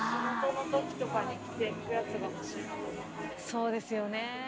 そうですよね。